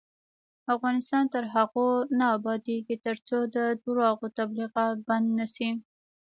افغانستان تر هغو نه ابادیږي، ترڅو د درواغو تبلیغات بند نشي.